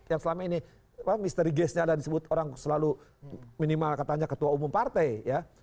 yang selama ini misteri guestnya ada disebut orang selalu minimal katanya ketua umum partai ya